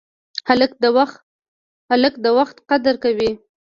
هلک د وخت قدر کوي.